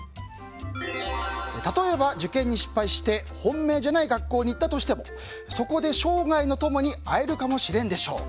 例えば受験に失敗して本命じゃない学校に行ったとしてもそこで生涯の友に会えるかもしれんでしょう。